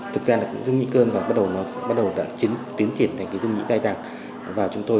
thực ra là rung nhĩ cơn và bắt đầu tiến triển thành rung nhĩ dài dàng vào trong tôi